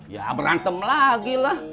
ya berantem lagi lah